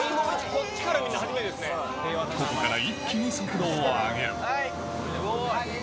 ここから一気に速度を上げる。